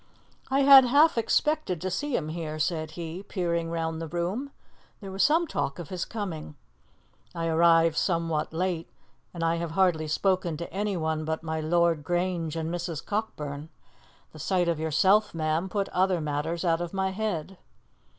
"I had half expected to see him here," said he, peering round the room; "there was some talk of his coming. I arrived somewhat late, and I have hardly spoken to anyone but my Lord Grange and Mrs. Cockburn. The sight of yourself, ma'am, put other matters out of my head."